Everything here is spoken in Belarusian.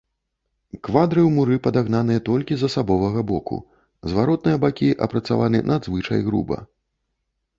Квадры ў муры падагнаныя толькі з асабовага боку, зваротныя бакі апрацаваны надзвычай груба.